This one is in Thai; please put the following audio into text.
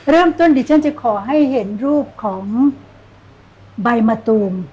เริ่มต้นดิฉันจะขอให้เห็นรูปของใบมะตูม